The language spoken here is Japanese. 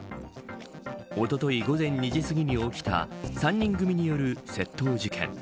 おととい午前２時すぎに起きた３人組による窃盗事件。